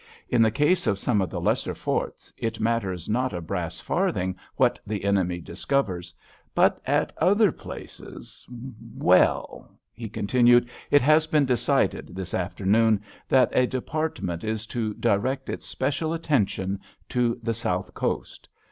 In the case of some of the lesser forts it matters not a brass farthing what the enemy discovers, but at other places—well," he continued, "it has been decided this afternoon that a department is to direct its special attention to the South Coast.